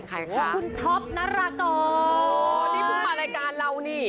ใครค่ะคุณท็อปน่ารักอ่อนโหนี่ผู้ผ่านรายการเรานี่